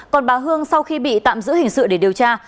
còn bà hương sau khi bị tạm giữ hình sự để điều tra